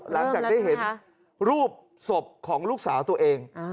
หลังจากได้เห็นรูปศพของลูกสาวตัวเอง